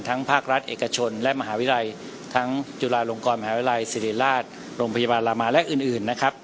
ภาครัฐเอกชนและมหาวิทยาลัยทั้งจุฬาลงกรมหาวิทยาลัยศิริราชโรงพยาบาลลามาและอื่นนะครับ